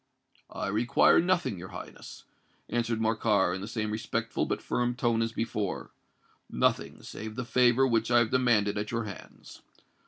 "I require nothing, your Highness," answered Morcar, in the same respectful but firm tone as before,—"nothing save the favour which I have demanded at your hands.